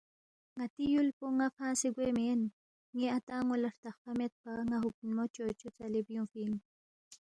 ن٘تی یُول پو ن٘ا فنگسے گوے مین، ن٘ی اتا ان٘و لہ ہرتخفا میدپا ن٘ا ہُوکھنمو چوچو ژلے بیُونگفی اِن